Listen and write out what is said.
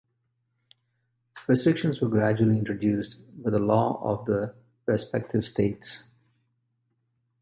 Restrictions were gradually introduced by the law of the respective states.